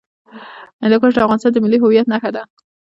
هندوکش د افغانستان د ملي هویت نښه ده.